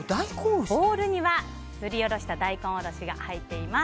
ボウルにはすりおろした大根おろしが入っています。